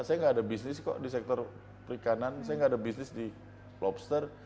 saya nggak ada bisnis kok di sektor perikanan saya nggak ada bisnis di lobster